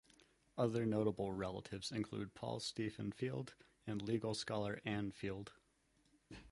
Other notable relatives include Paul Stephen Field and legal scholar Anne Field.